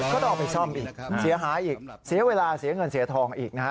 ก็ต้องเอาไปซ่อมอีกเสียหายอีกเสียเวลาเสียเงินเสียทองอีกนะฮะ